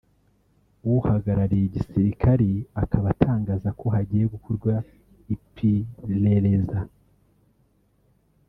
uhagarariye igisirikare akaba atangaza ko hagiye gukorwa ipirereza